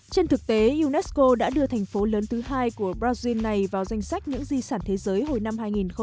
trên thực tế unesco đã đưa thành phố lớn thứ hai của brazil này vào danh sách những di sản thế giới hồi năm hai nghìn một mươi